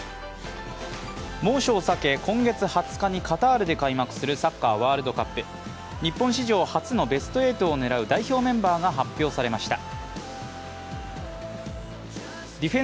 猛暑を避け、今月２０日にカタールで開幕するサッカーワールドカップ。日本史上初のベスト８を狙う代表メンバーが発表されました。